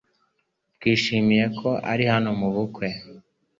Twishimiye ko uri hano mu bukwe